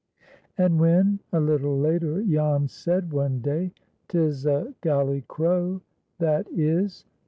And when a little later Jan said one day, "'Tis a galley crow, that is.